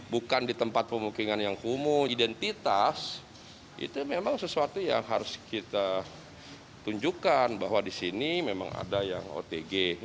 bukan di tempat pemukiman yang kumuh identitas itu memang sesuatu yang harus kita tunjukkan bahwa di sini memang ada yang otg